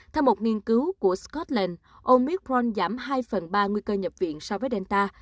theo một nghiên cứu của scotland omicron giảm hai phần ba nguy cơ nhập viện so với delta